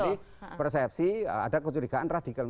jadi persepsi ada kecurigaan radikal